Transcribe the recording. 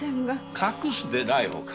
隠すでない女将